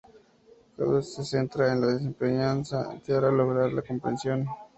CpD se centra en la enseñanza para lograr la comprensión.